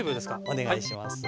お願いします。